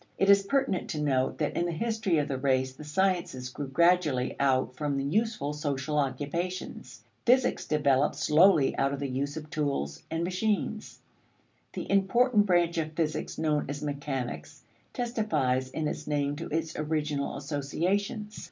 It is pertinent to note that in the history of the race the sciences grew gradually out from useful social occupations. Physics developed slowly out of the use of tools and machines; the important branch of physics known as mechanics testifies in its name to its original associations.